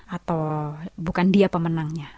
atau bukan dia pemenangnya